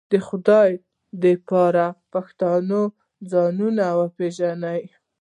د خدای د پاره پښتنو ځانونه وپېژنئ